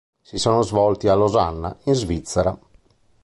Si sono svolti a Losanna, in Svizzera.